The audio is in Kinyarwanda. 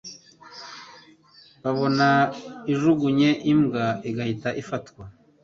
babona ijugunye imbwa igahita ifatwa